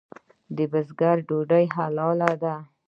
د بزګر ډوډۍ حلاله ده؟